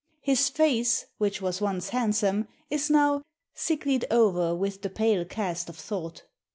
His face, which was once handsome, is now 'sicklied o'er with the pale cast of thought.